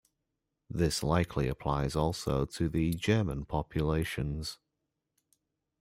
This likely applies also to the German populations.